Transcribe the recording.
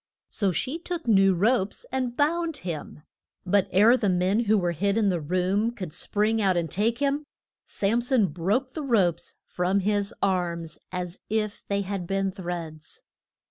So she took new ropes and bound him. But ere the men who were hid in the room could spring out and take him, Sam son broke the ropes from his arms as if they had been threads.